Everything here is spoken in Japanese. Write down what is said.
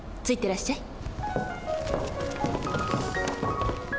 ついてらっしゃい。